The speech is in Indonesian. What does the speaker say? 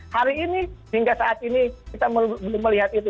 hari ini hingga saat ini kita belum melihat itu